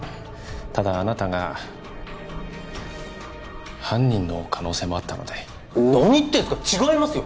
ただあなたが犯人の可能性もあったので何言ってんすか違いますよ